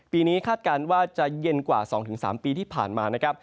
ปีนี้คาดการณ์ว่าจะเย็นกว่า๒๓ปีที่ผ่านมานะครับ